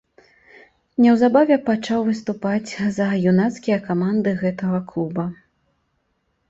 Неўзабаве пачаў выступаць за юнацкія каманды гэтага клуба.